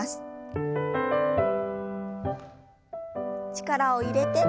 力を入れて。